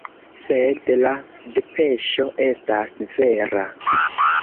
Sed la depeŝo estas vera.